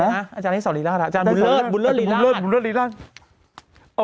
อาจารย์ในศัวรีราชละ